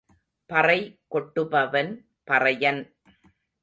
பறை கொட்டுபவன் பறையன்.